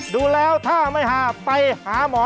ดูแล้วถ้าไม่หาไปหาหมอ